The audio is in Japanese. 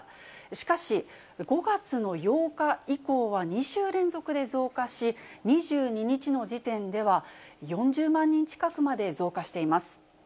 しかし、５月の８日以降は２週連続で増加し、２２日の時点では４０万人近くまで増加しています。